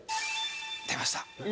出ました。